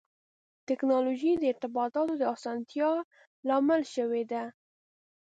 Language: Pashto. ټکنالوجي د ارتباط د اسانتیا لامل شوې ده.